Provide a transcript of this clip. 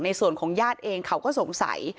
ในส่วนของญาติเองเขาก็สงสัย